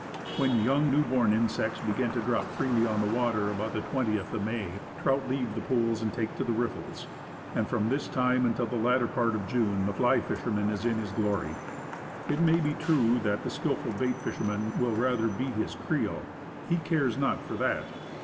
When young, new born insects begin to drop freely on the water, about the 20th of May, trout leave the 54 Woodcraft. pools and take to the riffles. And from this time until the latter part of June the fly fisherman is in his glory. It may be true that the skillful bait fisher man will rather beat his creel. He cares not for that.